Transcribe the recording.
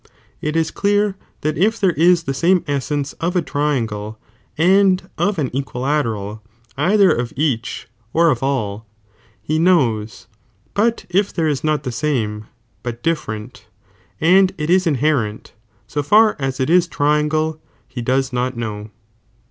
It is clear that if there is the same essence of a triangle, and of an equilateral rather of each or of all, he knows,t* but if there is not the same, but different, and it is inherent so itj'' ""'"'*■ br Bs it is triangle, he does not know.